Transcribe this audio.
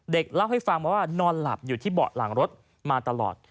เล่าให้ฟังว่านอนหลับอยู่ที่เบาะหลังรถมาตลอด